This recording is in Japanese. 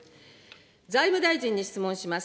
財務大臣に質問します。